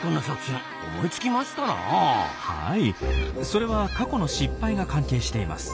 それは過去の失敗が関係しています。